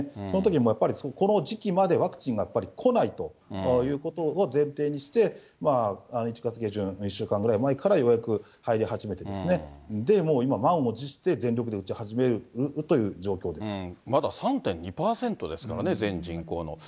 そのときもやっぱり、この時期までワクチンがやっぱり来ないということを前提にして、１月下旬、１週間ぐらい前からようやく入り始めてですね、もう満を持して、まだ３．２％ですからね、全人口の。